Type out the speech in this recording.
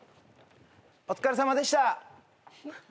お疲れさまでした。